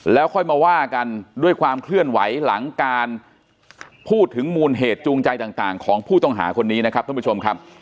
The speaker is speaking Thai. แล้วค่อยมาว่ากันด้วยความเคลื่อนไหวหลังการพูดถึงมูลเหตุจูงใจต่างของผู้ต้องหาคนนี้นะครับท่านผู้ชมครับ